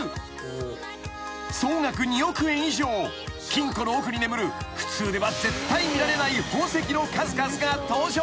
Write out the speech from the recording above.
［金庫の奥に眠る普通では絶対見られない宝石の数々が登場］